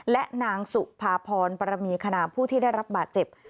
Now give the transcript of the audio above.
และนางสุภาพรปรมีคณาผู้ที่ได้รับบาดเจ็บ